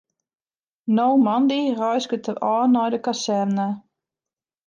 No moandei reizget er ôf nei de kazerne.